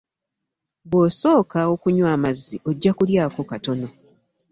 Bwosooka okunywa amazzi ojja kulyako katono.